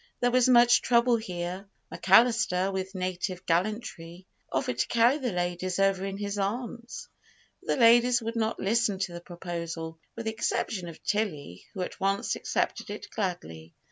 There was much trouble here. McAllister, with native gallantry, offered to carry the ladies over in his arms; but the ladies would not listen to the proposal, with the exception of Tilly, who at once accepted it gladly.